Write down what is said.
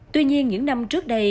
tuy nhiên những năm trước đây